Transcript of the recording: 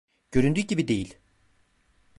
Göründüğü gibi değil.